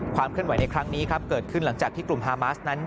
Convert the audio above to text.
เคลื่อนไหวในครั้งนี้ครับเกิดขึ้นหลังจากที่กลุ่มฮามาสนั้น